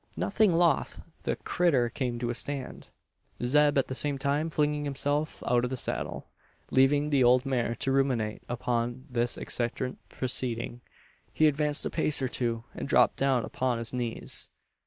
Nothing loth, the "critter" came to a stand; Zeb, at the same time, flinging himself out of the saddle. Leaving the old mare to ruminate upon this eccentric proceeding, he advanced a pace or two, and dropped down upon his knees.